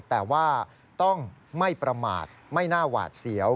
แต่ว่าต้องไม่ประมาทไม่น่าหวาดเสียว